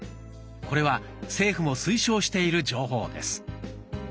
これは政府も推奨している情報です。